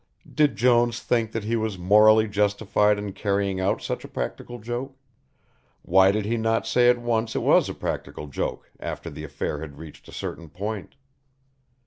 Did Jones think that he was morally justified in carrying out such a practical joke? Why did he not say at once it was a practical joke after the affair had reached a certain point?